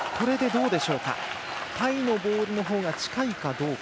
タイのボールのほうが近いかどうか。